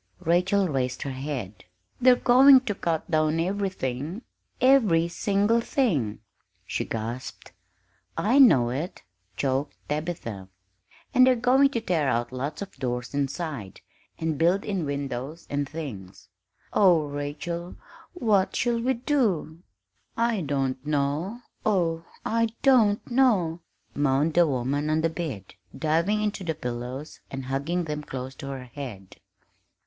Rachel raised her head. "They're going to cut down everything every single thing!" she gasped. "I know it," choked Tabitha, "and they're going to tear out lots of doors inside, and build in windows and things. Oh, Rachel, what shall we do?" "I don't know, oh, I don't know!" moaned the woman on the bed, diving into the pillows and hugging them close to her head.